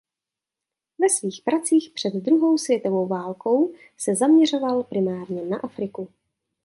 Ve svých pracích před druhou světovou válkou se zaměřoval primárně na Afriku.